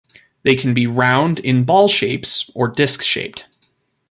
They can be round in ball shapes or disc shaped.